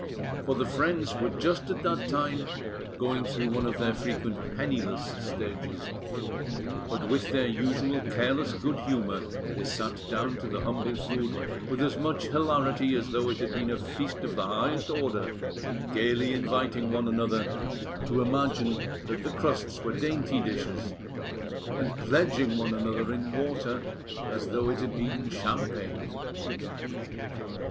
For the friends were just at that time going through one of their frequent penniless stages; but with their usual careless good humour, they sat down to the humble food with as much hilarity as though it had been a feast of the highest order, gaily inviting one another to imagine that the crusts were dainty dishes, and pledging one another in water, as though it had been champagne.